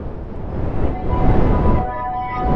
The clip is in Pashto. چي نه نوم د محتسب وي نه دُرې وي څوک وهلي